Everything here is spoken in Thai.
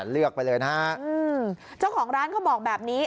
เลือกไปเลยนะฮะเจ้าของร้านเขาบอกแบบนี้